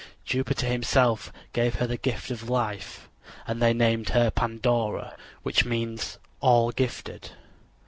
Jupiter himself gave her the gift of life, and they named her Pandora, which means "all gifted."